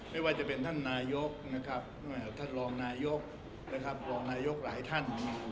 ไม่ว่าจะเป็นท่านนายกนะครับไม่ว่าท่านรองนายกนะครับรองนายกหลายท่าน